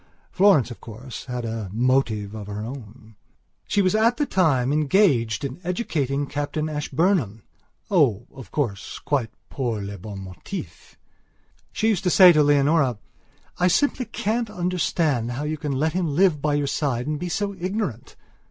Florence, of course, had a motive of her own. She was at that time engaged in educating Captain Ashburnhamoh, of course, quite pour le bon motif! She used to say to Leonora: "I simply can't understand how you can let him live by your side and be so ignorant!"